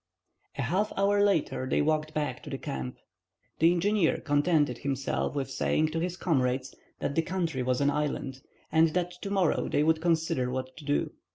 A half hour later they walked back to the camp. The engineer contented himself with saying to his comrades that the country was an island, and that to morrow they would consider what to do.